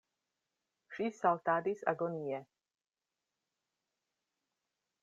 Ŝi saltadis agonie.